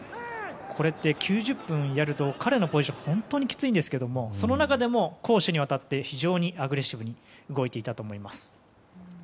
これって９０分やると彼のポジション本当にきついんですけれどもその中でも攻守にわたって非常にアグレッシブに動いていたと思います。